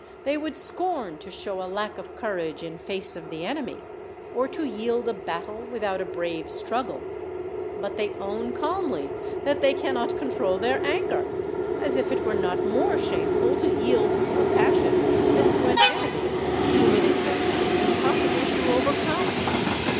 They would scorn to show a lack of courage in face of the enemy, or to yield a battle without a brave struggle; but they own calmly that they cannot control their anger, as if it were not more shameful to yield to a passion than to an enemy whom it is sometimes impossible to overcome.